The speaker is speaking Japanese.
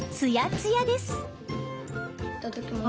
いただきます。